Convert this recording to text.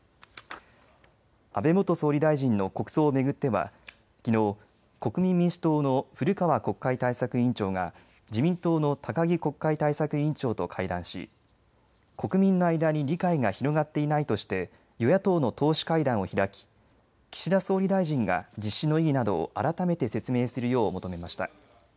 安倍元総理大臣の国葬を巡ってはきのう国民民主党の古川国会対策委員長が自民党の高木国会対策委員長と会談し国民の間に理解が広がっていないとして与野党の党首会談を開き岸田総理大臣が実施の意義などを改めて説明するよう求めました。